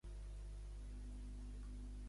Jordi Ramon i Torres és un polític nascut a Tàrrega.